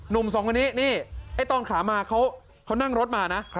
หนุ่มสองคนนี้นี่ไอ้ตอนขามาเขานั่งรถมานะ